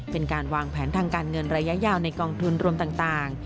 เป็นการวางแผนทางการเงินระยะยาวในกองทุนรวมต่าง